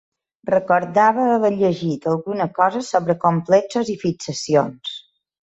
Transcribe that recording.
Recordava haver llegit alguna cosa sobre complexos i fixacions.